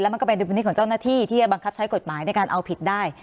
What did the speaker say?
แล้วมันก็เป็นธุรกิจของเจ้าหน้าที่ที่บังคับใช้กฏหมายในการเอาผิดได้